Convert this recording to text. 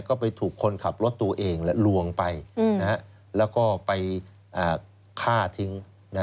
ก็ไปถูกคนขับรถตัวเองลวงไปแล้วก็ไปฆ่าทิ้ง